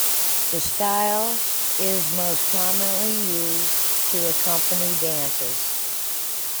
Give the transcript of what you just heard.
The style is the most commonly used to accompany dances.